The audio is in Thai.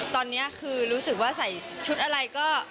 ตอนนี้คือรู้สึกว่าใส่ชุดอะไรก็